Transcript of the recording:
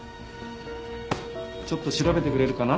ちょっと調べてくれるかな？